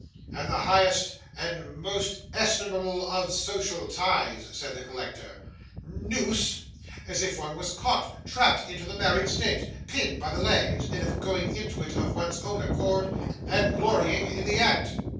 'And the highest and most estimable of social ties,' said the collector. 'Noose! As if one was caught, trapped into the married state, pinned by the leg, instead of going into it of one's own accord and glorying in the act!